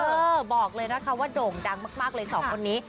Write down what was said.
บอกเลยนะคะว่าโด่งดังมากเลยสองคนนี้